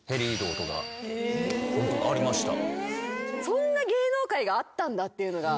そんな芸能界があったんだっていうのが。